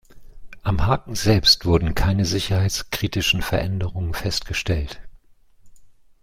Am Haken selbst wurden keine sicherheitskritischen Veränderungen festgestellt.